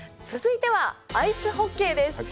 続いてはアイスホッケーです。